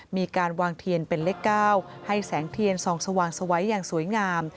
มีการวางเทียนเป็นเลข๙ให้แสงเทียนส่องสว่างสวัยอย่างสวยงาม